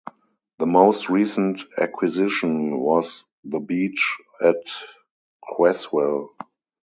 The most recent acquisition was the beach at Cresswell.